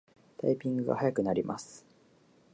タイピングが早くなります